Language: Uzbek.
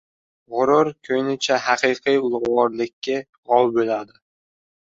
G‘urur ko‘nincha haqiqiy ulug‘vorlikka g‘ov bo‘ladi.